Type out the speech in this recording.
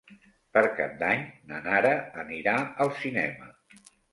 Per Cap d'Any na Nara anirà al cinema.